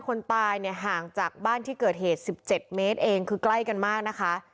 คนตายเนี่ยห่างจากบ้านที่เกิดเหตุ๑๗เมตรเองคือใกล้กันมากนะคะ